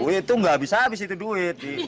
itu gak habis habis itu duit